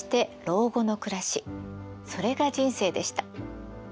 それが人生でした。